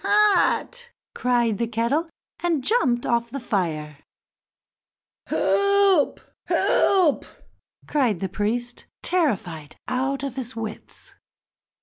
hot!" cried the kettle, and jumped off the fire. "Help! help!" cried the priest, terrified out of his wits.